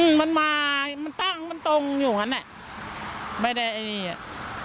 อืมมันมามันตั้งมันตรงอยู่ขนาดนี้ไม่ได้อันนี้อ่ะ